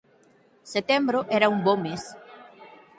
Setembro era un bo mes